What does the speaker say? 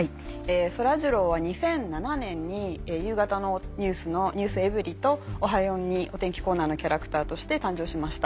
そらジローは２００７年に夕方のニュースの『ｎｅｗｓｅｖｅｒｙ．』と『Ｏｈａ！４』にお天気コーナーのキャラクターとして誕生しました。